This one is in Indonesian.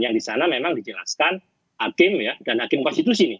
yang di sana memang dijelaskan hakim dan hakim konstitusi nih